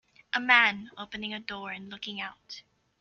A man opening a door and looking out.